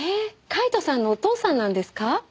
カイトさんのお父さんなんですか？